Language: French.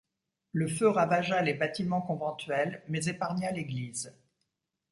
Le feu ravagea les bâtiments conventuels mais épargna l’église.